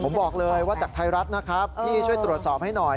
ผมบอกเลยว่าจากไทยรัฐนะครับพี่ช่วยตรวจสอบให้หน่อย